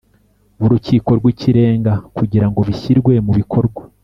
b Urukiko rw Ikirenga kugira ngo bishyirwe mubikorwa